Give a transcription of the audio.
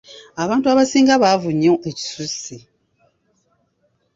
Abantu abasinga baavu nnyo ekisusse.